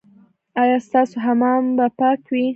ایا ستاسو حمام به پاک وي؟